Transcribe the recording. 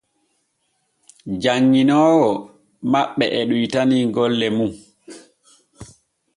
Janŋinoowo maɓɓe e ɗoytani golle mun.